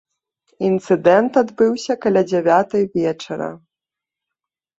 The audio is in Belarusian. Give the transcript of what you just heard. Інцыдэнт адбыўся каля дзявятай вечара.